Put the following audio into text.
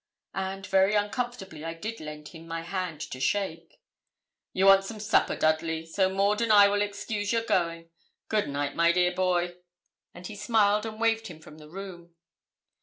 And very uncomfortably I did lend him my hand to shake. 'You'll want some supper, Dudley, so Maud and I will excuse your going. Good night, my dear boy,' and he smiled and waved him from the room.